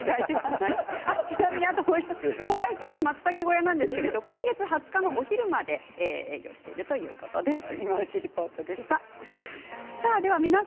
もう１つ、小林さんのまつたけ小屋ですけれども今月２０日のお昼まで営業しているということです。